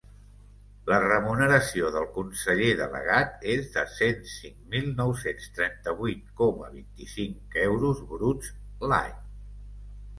La remuneració del conseller delegat és de cent cinc mil nou-cents trenta-vuit coma vint-i-cinc euros bruts l’any.